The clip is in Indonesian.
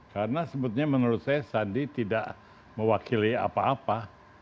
karena sebetulnya menurut saya sandi tidak mewakili apa apa